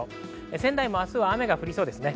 仙台も明日は雨が降りそうです。